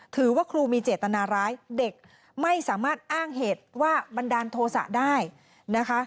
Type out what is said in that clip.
ถือว่าครูมีเจตนาร้ายเด็กไม่สามารถอ้างเหตุว่าบันดาลโทษะได้นะคะ